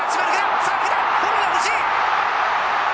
フォローが欲しい！